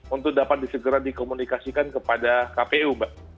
untuk dapat disegera dikomunikasikan kepada kpu mbak